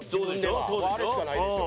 もうあれしかないでしょ。